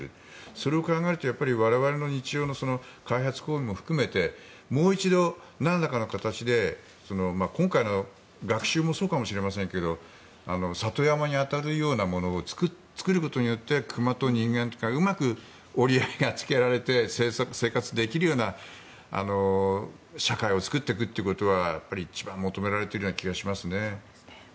それを考えると、我々の日常の開発行為も含めてもう一度、なんらかの形で今回の学習もそうかもしれませんが里山に当たるようなものを作ることによって熊と人間とがうまく折り合いがつけられて生活できるような社会を作っていくということは一番求められているような気がしますね。